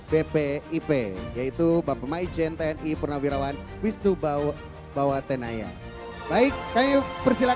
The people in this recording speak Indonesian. bapak dan ibu tentunya bersama ini dia pemasangan selempang oleh sekretaris dewan pengarah